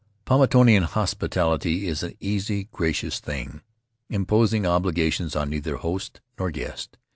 Paumotuan hospitality is an easy, gracious thing, imposing obligations on neither host nor guest.